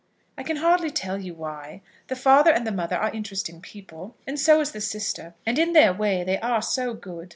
"I can hardly tell you why. The father and the mother are interesting people, and so is the sister. And in their way they are so good!